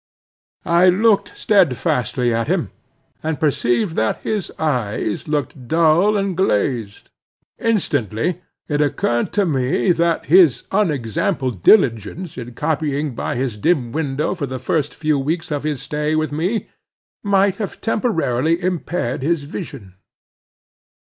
I looked steadfastly at him, and perceived that his eyes looked dull and glazed. Instantly it occurred to me, that his unexampled diligence in copying by his dim window for the first few weeks of his stay with me might have temporarily impaired his vision.